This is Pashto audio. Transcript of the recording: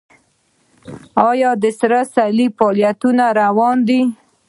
آیا د سره صلیب فعالیتونه روان دي؟